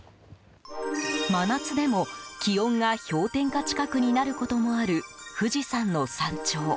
真夏でも、気温が氷点下近くになることもある富士山の山頂。